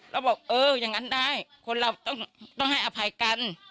เราบอกเอออย่างนั้นได้คนเราต้องให้อภัยกัน